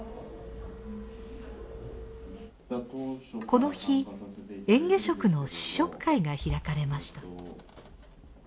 この日嚥下食の試食会が開かれました。